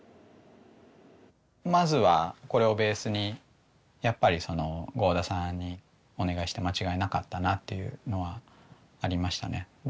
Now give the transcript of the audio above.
まずはこれをベースにやっぱりその合田さんにお願いして間違いなかったなっていうのはありましたね。